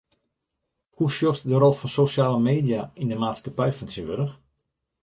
Hoe sjochst de rol fan sosjale media yn de maatskippij fan tsjintwurdich?